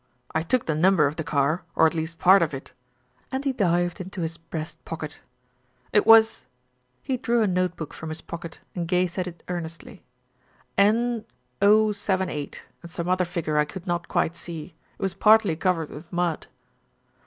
I took the number of the car, or at least part of it," and he dived into his breast pocket. "It was " he drew a note book from his pocket and gazed at it earnestly, "N 078, and some other figure I could not quite see; it was partly covered with mud."